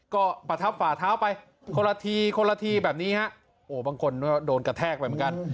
ก็ประทับฝ่าเท้าไปคนละทีคนละทีแบบนี้ฮะโอ้บางคนก็โดนกระแทกไปเหมือนกัน